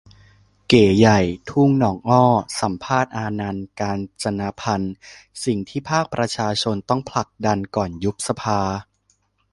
เก๋ใหญ่ ทุ่งหนองอ้อ สัมภาษณ์ อานันท์ กาญจนพันธุ์ :"สิ่งที่ภาคประชาชนต้องผลักดันก่อนยุบสภา"